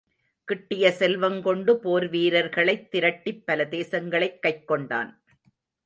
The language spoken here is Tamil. கிட்டிய செல்வங்கொண்டு போர்வீரர் களைத் திரட்டிப் பல தேசங்களைக் கைக்கொண்டான்.